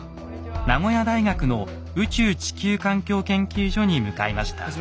名古屋大学の宇宙地球環境研究所に向かいました。